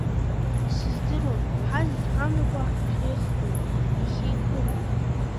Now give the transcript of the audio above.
Исыздыруам, ҳазегь ҳамҩақәа ахьеихдоу, иахьеиԥыло.